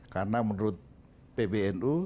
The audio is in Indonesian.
karena menurut pbnu